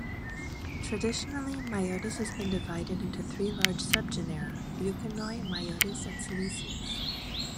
Traditionally, "Myotis" has been divided into three large subgenera-"Leuconoe", "Myotis", and "Selysius".